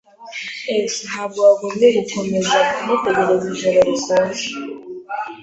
[S] Ntabwo wagombye gukomeza kumutegereza ijoro rikonje.